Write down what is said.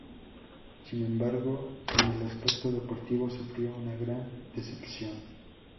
Sin embargo en el aspecto deportivo sufrió una gran decepción.